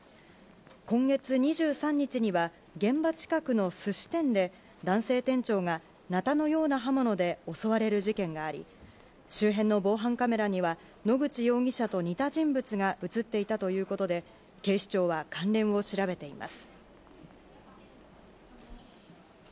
今月２３日には、現場近くのすし店で、男性店長がなたのような刃物で襲われる事件があり、周辺の防犯カメラには、野口容疑者と似た人物が写っていたということで、警視庁は関連を調べています。